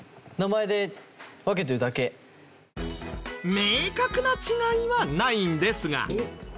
明確な違いはないんですが。